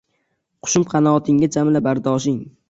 Qushim, qanotingga jamla bardoshing!